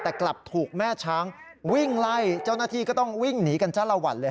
แต่กลับถูกแม่ช้างวิ่งไล่เจ้าหน้าที่ก็ต้องวิ่งหนีกันจ้าละวันเลย